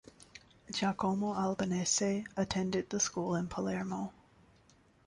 Giacomo Albanese attended the school in Palermo.